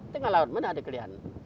tengah laut mana ada kelihatan